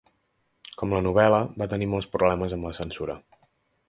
Com la novel·la, va tenir molts problemes amb la censura.